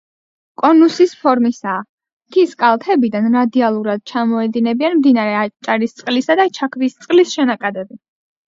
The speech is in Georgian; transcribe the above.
კონუსის ფორმისაა, მთის კალთებიდან რადიალურად ჩამოედინებიან მდინარე აჭარისწყლისა და ჩაქვისწყლის შენაკადები.